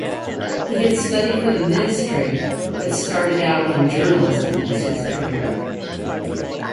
He had studied for the ministry, but started out in journalism as his career.